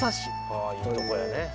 ああいいとこやね。